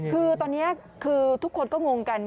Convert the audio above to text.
คือตอนนี้คือทุกคนก็งงกัน